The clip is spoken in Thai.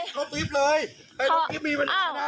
รบรีบเลยให้รบรีบมีเวลานะ